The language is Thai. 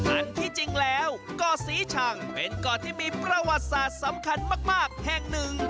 อันที่จริงแล้วเกาะศรีชังเป็นเกาะที่มีประวัติศาสตร์สำคัญมากแห่งหนึ่ง